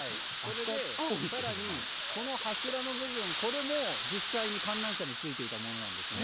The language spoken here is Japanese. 更にこの柱の部分これも実際に観覧車についていたものなんですね。